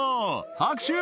拍手！